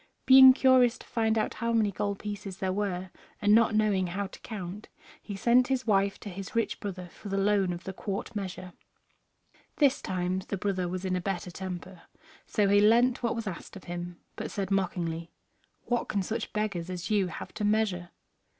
Being curious to find out how many gold pieces there were, and not knowing how to count, he sent his wife to his rich brother for the loan of a quart measure. This time the brother was in a better temper, so he lent what was asked of him, but said mockingly, "What can such beggars as you have to measure?"